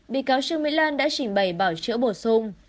bị cáo trương mỹ lan đã trình bày bảo chữa bổ sung